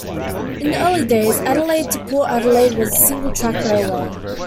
In the early days, Adelaide to Port Adelaide was a single-track railway.